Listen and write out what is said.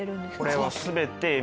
これは全てえ！